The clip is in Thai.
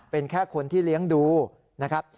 เป็นแค่คนที่เลี้ยงดูนะครับ